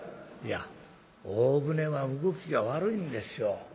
「いや大船は動きが悪いんですよ。